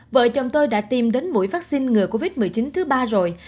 vợ chồng tôi đã tìm đến mũi vaccine ngừa covid một mươi chín thứ ba rồi